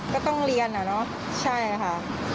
ก็ต้องเรียนอะเนาะใช่ค่ะ